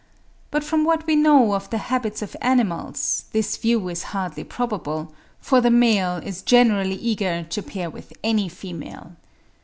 But from what we know of the habits of animals, this view is hardly probable, for the male is generally eager to pair with any female.